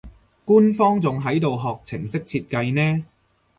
官方仲喺度學程式設計呢